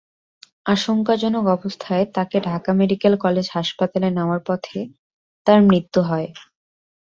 আশঙ্কাজনক অবস্থায় তাঁকে ঢাকা মেডিকেল কলেজ হাসপাতালে নেওয়ার পথে তাঁর মৃত্যু হয়।